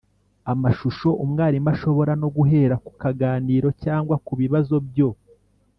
amashusho, umwarimu ashobora no guhera ku kaganiro cyangwa ku bibazo byo